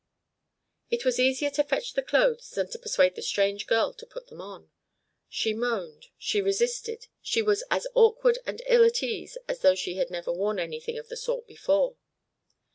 It was easier to fetch the clothes than to persuade the strange girl to put them on. She moaned, she resisted, she was as awkward and ill at ease as though she had never worn anything of the sort before.